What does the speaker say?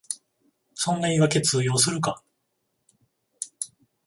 そんな言いわけ通用するか